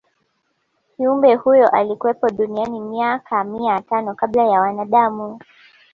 kiumbe huyo alikuwepo duniani miaka mia tano kabla ya wanadamu